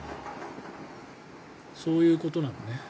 そういうことなのね。